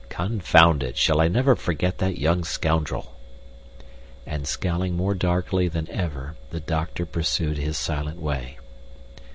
Confound it, shall I never forget that young scoundrel!" And, scowling more darkly than ever, the doctor pursued his silent way.